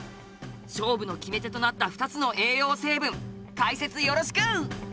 勝負の決め手となった２つの栄養成分解説よろしく！